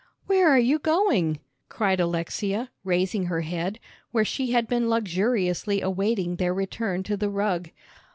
"Where are you going?" cried Alexia, raising her head, where she had been luxuriously awaiting their return to the rug.